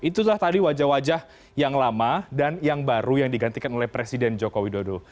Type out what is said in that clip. itulah tadi wajah wajah yang lama dan yang baru yang digantikan oleh presiden joko widodo